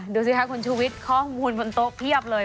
ดูสิคะคุณชูวิทย์ข้อมูลบนโต๊ะเพียบเลย